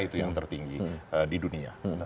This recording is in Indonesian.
itu yang tertinggi di dunia